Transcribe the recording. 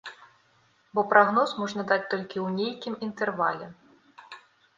Бо прагноз можна даць толькі ў нейкім інтэрвале.